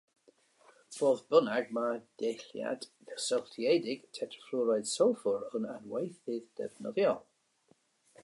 Fodd bynnag, mae'r deilliad cysylltiedig, tetrafluorid sylffwr yn adweithydd defnyddiol.